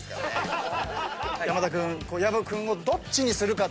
山田君薮君をどっちにするかっていうのが。